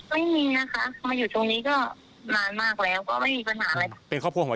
ไม่มีนะคะมาอยู่ตรงนี้ก็นานมากแล้ว